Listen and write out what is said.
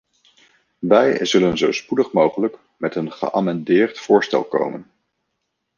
Wij zullen zo spoedig mogelijk met een geamendeerd voorstel komen.